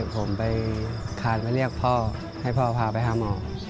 ผมไปคานมาเรียกพ่อให้พ่อพาไปหาหมอ